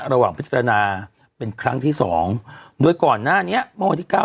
ระหว่างพิจารณาเป็นครั้งที่สองโดยก่อนหน้านี้เมื่อวันที่เก้า